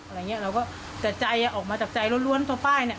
อะไรอย่างเงี้ยเราก็แต่ใจอ่ะออกมาจากใจล้วนตัวป้ายเนี่ย